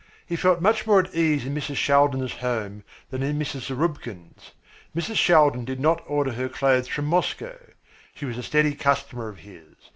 He felt much more at ease in Mrs. Shaldin's home than in Mrs. Zarubkin's. Mrs. Shaldin did not order her clothes from Moscow. She was a steady customer of his.